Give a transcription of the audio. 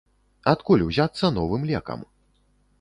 Адкуль узяцца новым лекам?